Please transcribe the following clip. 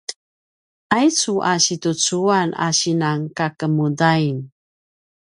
aicu a situcuan a sinan kakemudain